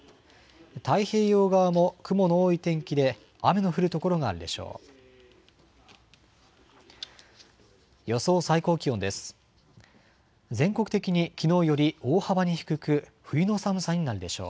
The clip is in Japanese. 太平洋側も雲の多い天気で雨の降る所があるでしょう。